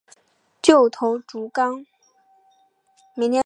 旧头足纲